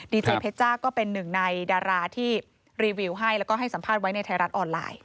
เจเพชจ้าก็เป็นหนึ่งในดาราที่รีวิวให้แล้วก็ให้สัมภาษณ์ไว้ในไทยรัฐออนไลน์